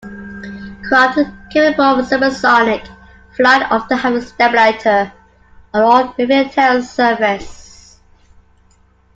Craft capable of supersonic flight often have a stabilator, an all-moving tail surface.